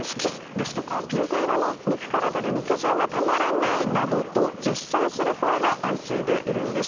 ですとかピンク色の肉から出る肉汁がたまらないなどと絶賛する声が相次いでいるんです。